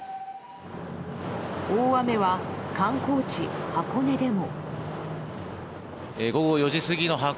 大雨は観光地・箱根でも。